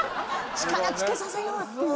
力つけさせようっていう。